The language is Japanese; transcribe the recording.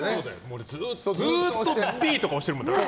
俺、ずっとＢとか押してるもん。